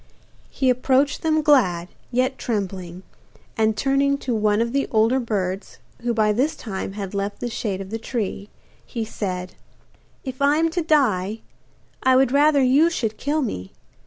He approached them glad, yet trembling, and turning to one of the older birds, who by this time had left the shade of the tree, he said: 'If I am to die, I would rather you should kill me.